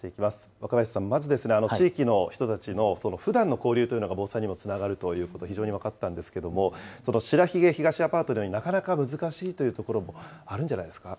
若林さん、まず、地域の人たちのふだんの交流というのが防災にもつながるということ、非常に分かったんですけれども、白鬚東アパートのようになかなか難しいというところもあるんじゃないですか。